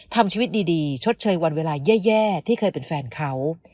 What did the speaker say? ทำชีวิตดีชดเชยวันเวลาแย่ที่เคยเป็นแฟนเขา